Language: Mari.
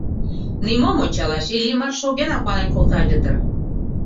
Нимом ончалаш, Иллимар шогенак мален колта ыле дыр.